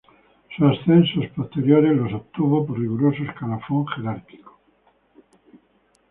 Sus ascensos posteriores los obtuvo por riguroso escalafón jerárquico.